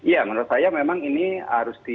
ya menurut saya memang ini harus di